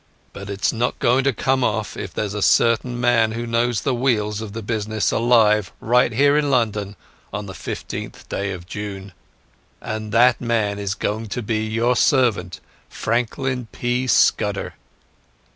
But it's not going to come off if there's a certain man who knows the wheels of the business alive right here in London on the 15th day of June. And that man is going to be your servant, Franklin P. Scudder."